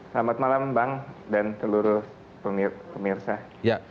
selamat malam bang dan seluruh pemirsa